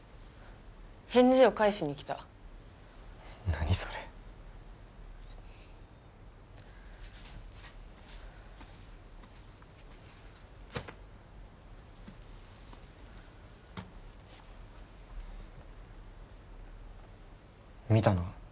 返事を返しに来た何それ見たの？